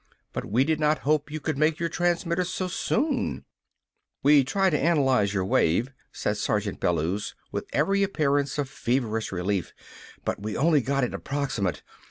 But we did not hope you could make your transmitters so soon!_" "We tried to analyze your wave," said Sergeant Bellews, with every appearance of feverish relief, "but we only got it approximate.